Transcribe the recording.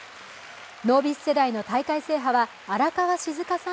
ノービス世代の大会制覇は荒川静香さん